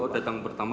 oh datang pertama